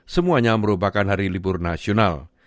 semuanya merupakan hari libur nasional